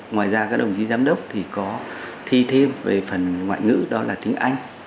ngoài ra các đồng chí giám đốc thì có thi thêm về phần ngoại ngữ đó là tiếng anh